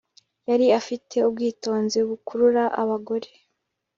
Yari afite ubwitonzi bukurura abagore